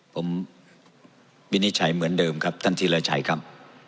ผมวินิจฉัยเหมือนเดิมครับท่านธีรชัยครับ